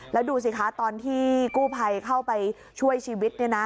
แล้วดูสิคะตอนที่กู้ภัยเข้าไปช่วยชีวิต